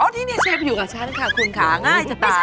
ที่นี่เชฟอยู่กับฉันค่ะคุณค่ะง่ายจะตาย